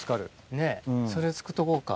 ねぇそれ作っとこうか。